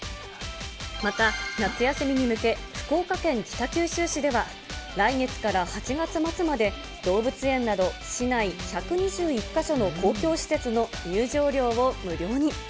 また、夏休みに向け、福岡県北九州市では、来月から８月末まで、動物園など市内１２１か所の公共施設の入場料を無料に。